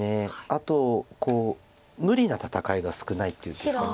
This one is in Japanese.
あと無理な戦いが少ないっていうんですか。